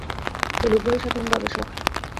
এই লোকগুলি সাধারণ গবেষক।